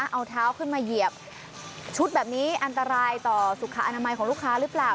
เอาเท้าขึ้นมาเหยียบชุดแบบนี้อันตรายต่อสุขอนามัยของลูกค้าหรือเปล่า